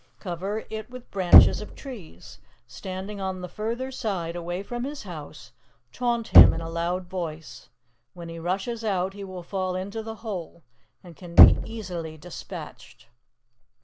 Cover it with branches of trees. Standing on the further side, away from his house, taunt him in a loud voice. When he rushes out, he will fall into the hole, and can be easily despatched.